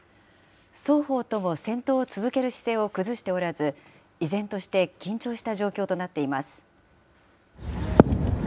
双方とも戦闘を続ける姿勢を崩しておらず、依然として緊張した状況となっています。